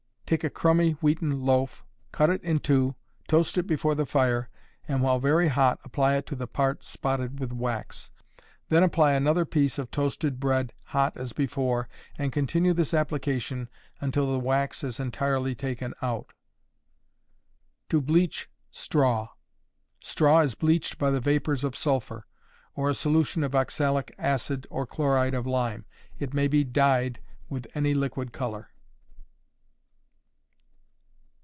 _ Take a crumby wheaten loaf, cut it in two, toast it before the fire, and, while very hot, apply it to the part spotted with wax. Then apply another piece of toasted bread hot as before, and continue this application until the wax is entirely taken out. To Bleach Straw. Straw is bleached by the vapors of sulphur, or a solution of oxalic acid or chloride of lime. It may be dyed with any liquid color.